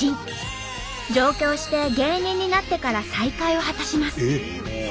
上京して芸人になってから再会を果たします。